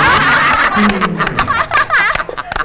มันก็เลยดูปลอมมาก